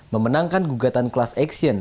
memenangkan gugatan kelas eksien